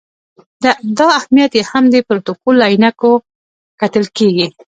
دا اهمیت یې هم د پروتوکول له عینکو کتل کېږي.